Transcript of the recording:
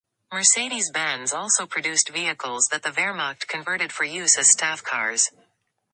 Mercedes Benz also produced vehicles that the Wehrmacht converted for use as staff cars.